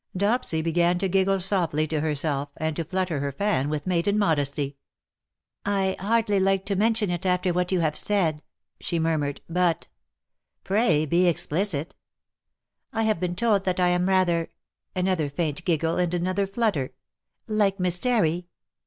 Dopsy began to giggle softly to herself, and to flutter her fan with maiden modesty. THAT THE DAY WILL END." 217 "1 hardly like to mention it after what you have said/'' she murmured^ " but "'' Pray be explicit/' " I have been told that I am rather^' — another faint giggle and another flutter —'' like Miss Terry."